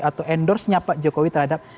atau endorse nya pak jokowi terhadap